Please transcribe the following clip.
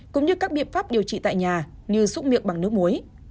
cũng như các biện pháp điều trị tại nhà như xúc miệng bằng nước muối